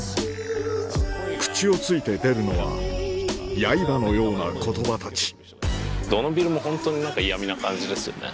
口を突いて出るのはやいばのような言葉たちどのビルもホントに何か嫌みな感じですよね。